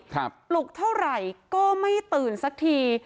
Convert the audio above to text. ปลุกเท่าไหร่ก็ไม่ตื่นสักที